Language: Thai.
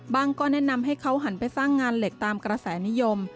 ก็แนะนำให้เขาหันไปสร้างงานเหล็กตามกระแสนิยม